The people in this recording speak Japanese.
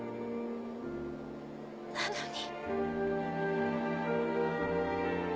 なのに。